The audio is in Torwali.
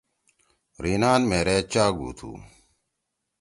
رینان مھیرے چاگُو تُھو۔